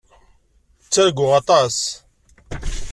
Ttarguɣ aṭas.